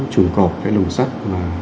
chuồng cọp lồng sắt mà